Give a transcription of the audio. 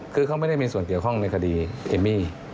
คือเขาไม่ได้มีส่วนเกี่ยวข้องในคดีเอมมี่